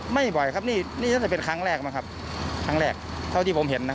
ไม่บ่อยครับนี่ทั้งแต่เป็นครั้งแรกเท่าที่ผมเห็น